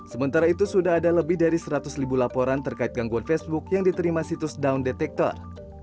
sementara itu sudah ada lebih dari seratus ribu laporan terkait gangguan facebook yang diterima situs down detector